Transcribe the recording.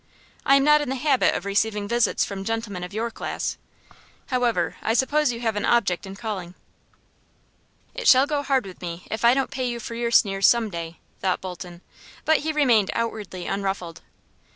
"I am not in the habit of receiving visits from gentlemen of your class. However, I suppose you have an object in calling." "It shall go hard with me if I don't pay you for your sneers some day," thought Bolton; but he remained outwardly unruffled.